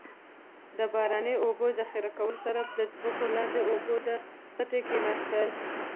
د باراني اوبو ذخیره کولو سره به د ځمکې لاندې اوبو د سطحې کیناستل.